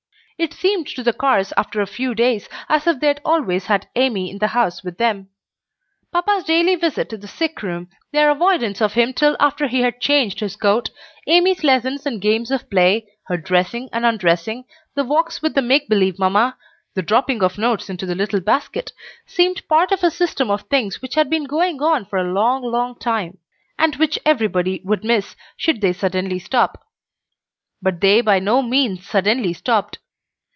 It seemed to the Carrs after a few days as if they had always had Amy in the house with them. Papa's daily visit to the sick room, their avoidance of him till after he had "changed his coat," Amy's lessons and games of play, her dressing and undressing, the walks with the make believe mamma, the dropping of notes into the little basket, seemed part of a system of things which had been going on for a long, long time, and which everybody would miss should they suddenly stop. But they by no means suddenly stopped.